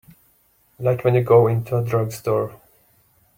Like when you go into a drugstore.